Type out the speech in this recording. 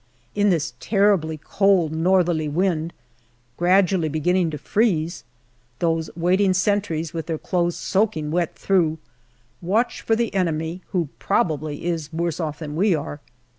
In this terribly cold northerly wind, gradually beginning to freeze, those waiting sentries, with their clothes soaking wet through, watch for the enemy, who probably is worse off than we are.